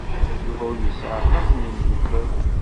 Yuba ur yesɛi aṭas n yimeddukal.